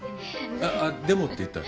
あっ「でも」って言った。